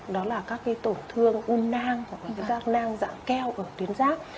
đó là các tổn thương u nang hoặc là các nang dạng keo ở tuyến giáp